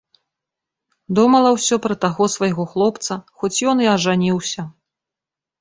Думала ўсё пра таго свайго хлопца, хоць ён і ажаніўся.